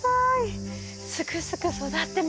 すくすく育ってます。